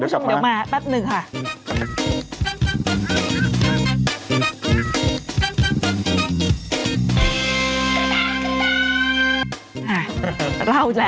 ขออีกทีอ่านอีกที